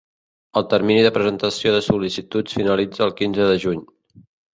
El termini de presentació de sol·licituds finalitza el quinze de juny.